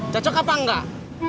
cocok apa enggak